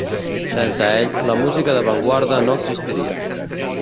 Sense ell, la música d’avantguarda no existiria.